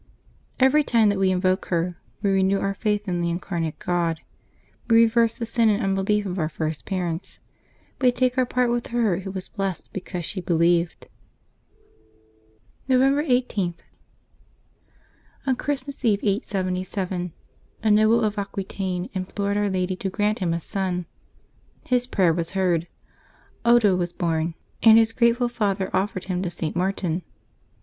Every time that we invoke her, we renew our faith in the Incarnate God ; we reverse the sin and unbelief of our first parents ; we take our part with her who was blessed because she believed. November 19] LIVES OF TEE SAINTS 361 November i8.— ST. ODO OF CLUNY. ON Christmas eve, 877, a noble of Aquitaine implored Our Lady to grant him a son. His prayer was heard; Odo was born, and his grateful father offered him to St. Martin.